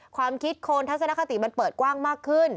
ความคิดคนทัศนคติมันเปิดกว้างมากขึ้น